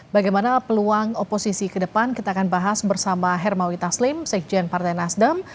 bagaimana peluang oposisi ke depan kita akan bahas bersama hermawi taslim sekjen partai nasdem